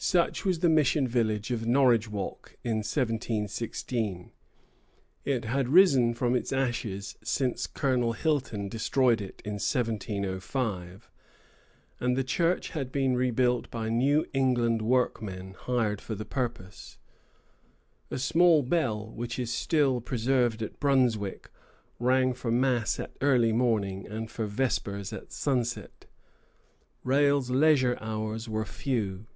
Such was the mission village of Norridgewock in 1716. It had risen from its ashes since Colonel Hilton destroyed it in 1705, and the church had been rebuilt by New England workmen hired for the purpose. A small bell, which is still preserved at Brunswick, rang for mass at early morning, and for vespers at sunset. Rale's leisure hours were few.